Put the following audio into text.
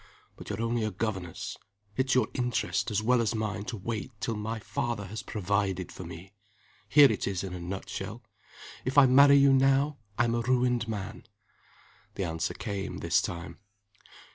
But you're only a governess. It's your interest as well as mine to wait till my father has provided for me. Here it is in a nut shell: if I marry you now, I'm a ruined man." The answer came, this time.